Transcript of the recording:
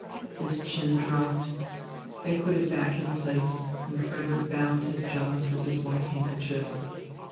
His chin dropped. They put it back in place, and Frederick bound his jaws with his white handkerchief.